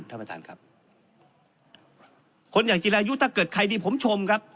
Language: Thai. ท่านประธานครับคนอย่างจิรายุถ้าเกิดใครดีผมชมครับ